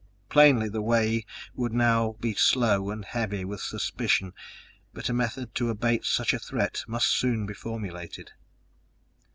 Plainly, the way would now be slow and heavy with suspicion, but a method to abate such a threat must soon be formulated.